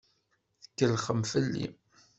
Tkellxem fell-i.